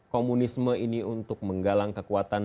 komunisme ini untuk menggalang kekuatan